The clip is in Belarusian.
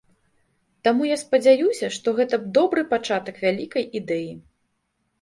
Таму я спадзяюся, што гэта добры пачатак вялікай ідэі.